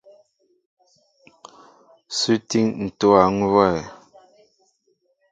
Sú étííŋ ntówa huwɛέ ?